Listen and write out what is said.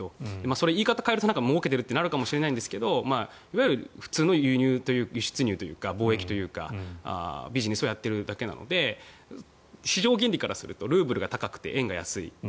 それは言い方を変えるともうけているとなるかもしれませんがいわゆる普通の輸出入というか貿易というかビジネスをやっているだけなので市場原理からするとルーブルが高くて円が安い。